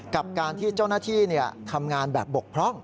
กับการที่เจ้าหน้าที่ทำงานแบบบกพร่อง